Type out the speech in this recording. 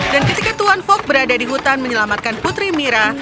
dan ketika tuan fogg berada di hutan menyelamatkan putri mira